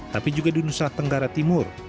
tapi juga di nusa tenggara timur